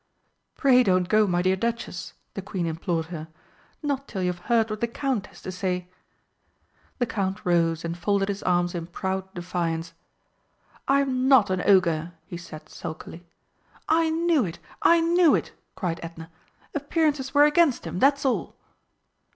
"Pray don't go, my dear Duchess!" the Queen implored her. "Not till you've heard what the Count has to say." The Count rose and folded his arms in proud defiance. "I'm not an Ogre," he said sulkily. "I knew it I knew it!" cried Edna. "Appearances were against him, that's all!"